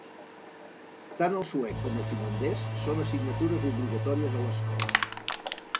Tant el suec com el finlandès són assignatures obligatòries a l'escola.